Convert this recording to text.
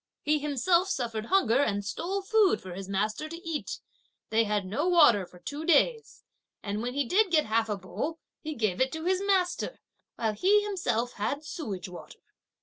He himself suffered hunger and stole food for his master to eat; they had no water for two days; and when he did get half a bowl, he gave it to his master, while he himself had sewage water.